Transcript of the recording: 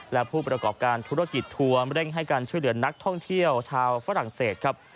และผู้ประกอบการธุรกิจทัวร์เร่งให้การช่วยเหลือนักท่องเที่ยวชาวฝรั่งเศสครับ